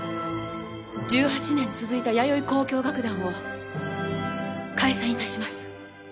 １８年続いた弥生交響楽団を解散致します。